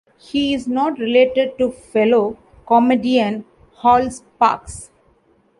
He is not related to fellow comedian Hal Sparks.